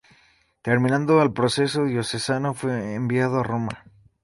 Terminado el proceso diocesano fue enviado a Roma.